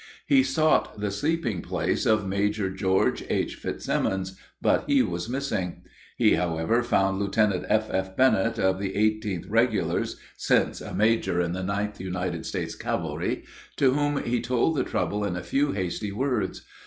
He sought the sleeping place of Major George H. Fitzsimmons, but he was missing. He, however, found Lieutenant F.F. Bennett, of the 18th Regulars (since a major in the 9th United States Cavalry), to whom he told the trouble in a few hasty words.